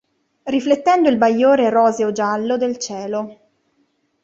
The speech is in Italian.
Riflettendo il bagliore roseo-giallo del cielo.